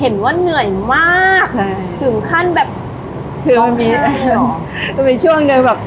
เห็นว่าเหนื่อยมากใช่ถึงขั้นแบบคือไม่มีคือไม่มีช่วงนึงแบบ